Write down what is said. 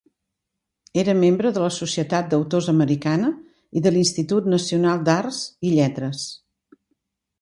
Era membre de la Societat d'Autors Americana i de l'Institut Nacional d'Arts i Lletres.